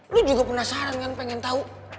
lu juga penasaran kan pengen tahu